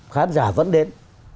khán giả vẫn đến